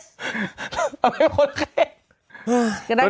ทำไมคนละเคส